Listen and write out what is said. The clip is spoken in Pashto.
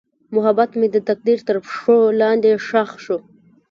محبت مې د تقدیر تر پښو لاندې ښخ شو.